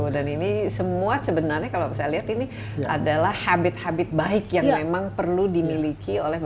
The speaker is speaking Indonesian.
dan ini semua sebenarnya kalau saya lihat ini adalah habit habit baik yang memang perlu dimiliki